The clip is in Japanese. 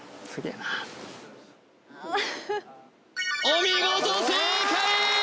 なお見事正解！